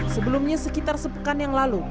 sebelumnya sekitar sepekan yang lalu